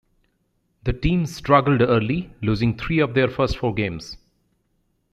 The team struggled early, losing three of their first four games.